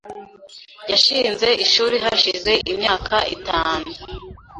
Yashinze ishuri hashize imyaka itanu.